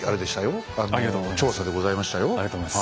ありがとうございます。